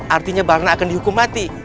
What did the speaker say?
artinya barna akan dihukum mati